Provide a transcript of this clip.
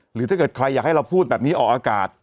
หรือถ้าเกิดใครอยากให้เราพูดแบบนี้ออกอากาศ